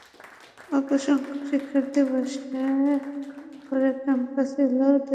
অল্পসংখ্যক শিক্ষার্থী বাসে করে ক্যাম্পাসে এলেও শুধু দু-একটি বিভাগে ক্লাস-পরীক্ষা হয়েছে।